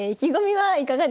はい。